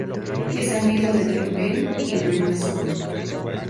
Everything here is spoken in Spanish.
Es amigo de Drake Bell, y Brenda Song.